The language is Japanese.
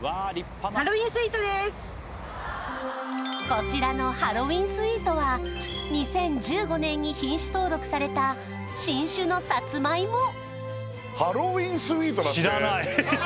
こちらのハロウィンスウィートは２０１５年に品種登録された新種のサツマイモ